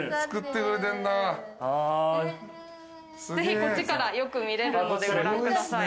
ぜひこっちからよく見れるのでご覧ください。